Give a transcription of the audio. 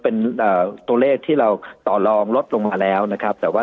เป็นตัวเลขที่เราต่อลองลดลงมาแล้วนะครับแต่ว่า